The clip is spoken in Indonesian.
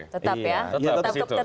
tetap ya tetap kembali ke itu